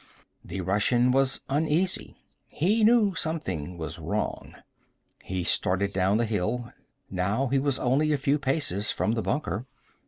The Russian was uneasy. He knew something was wrong. He started down the hill. Now he was only a few paces from the bunker.